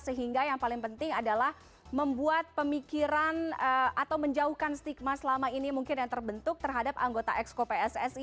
sehingga yang paling penting adalah membuat pemikiran atau menjauhkan stigma selama ini mungkin yang terbentuk terhadap anggota exco pssi